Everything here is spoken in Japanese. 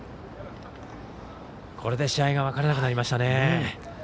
これで試合が分からなくなりましたね。